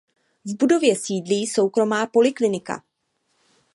V budově sídlí soukromá poliklinika.